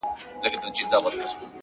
• له حملې سره ملگری یې غړومبی سو,